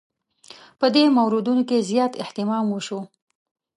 په دې موردونو کې زیات اهتمام وشو.